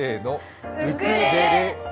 ウクレレ。